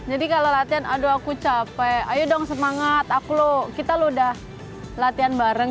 jadi kalau latihan aduh aku capek ayo dong semangat aku loh kita loh udah latihan bareng